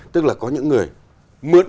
tức là có những người mượn